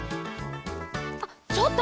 あっちょっと！